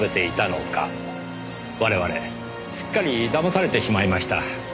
我々すっかり騙されてしまいました。